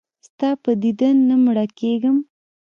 ستا په دیدن نه مړه کېږم.